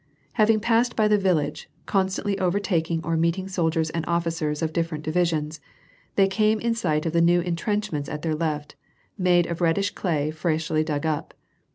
Having passed beyond the village, constantly overtaking or meeting soldiers and officers of different divisions, they came in sight of the new entrenchments at their left, made of red dish clay freshly dug up.